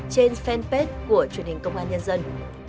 trên fanpage của truyền hình công an nhân dân